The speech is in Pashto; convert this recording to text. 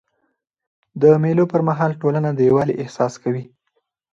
د مېلو پر مهال ټولنه د یووالي احساس کوي.